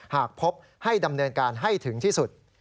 หากพบให้ดำเนินการให้ถึงที่สุด